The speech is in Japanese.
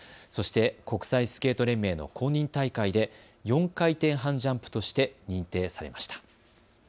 そして国際スケート連盟の公認大会で４回転半ジャンプとして認定されました。